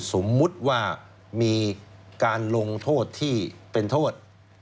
สมมุติว่ามีการลงโทษที่เป็นโทษ